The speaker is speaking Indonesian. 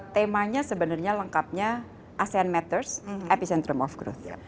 temanya sebenarnya lengkapnya asean matters epicentrum of growth